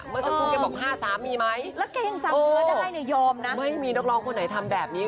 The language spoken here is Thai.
เมื่อสักครู่แกบอก๕๓มีมั้ยไม่มีนักร้องคนไหนทำแบบนี้